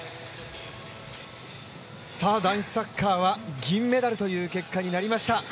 男子サッカーは銀メダルという結果になりました。